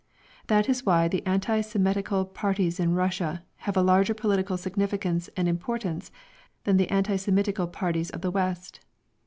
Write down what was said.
That is why the anti Semitical parties in Russia have a larger political significance and importance than the anti Semitical parties of the West.